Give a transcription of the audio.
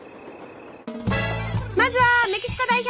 まずはメキシコ代表